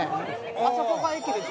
あそこが駅です。